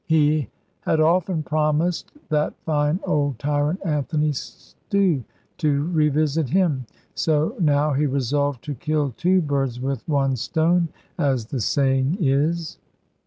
He had often promised that fine old tyrant Anthony Stew to revisit him; so now he resolved to kill two birds with one stone, as the saying is.